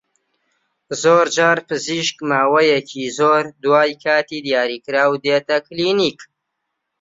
زۆرجار پزیشک ماوەیەکی زۆر دوای کاتی دیاریکراو دێتە کلینیک